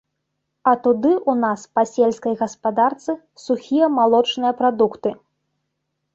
А туды ў нас па сельскай гаспадарцы сухія малочныя прадукты.